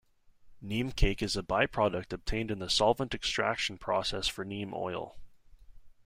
Neem cake is a by-product obtained in the solvent extraction process for neem oil.